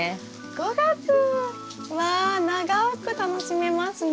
５月！わ長く楽しめますね。